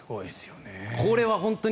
これは本当に。